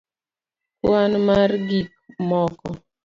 kwan mar gik moko